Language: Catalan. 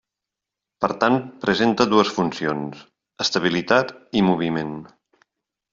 Per tant presenta dues funcions: estabilitat i moviment.